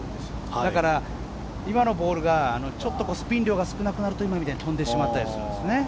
だから、今のボールがちょっとスピン量が少なくなると今みたいに飛んでしまったりするんですね。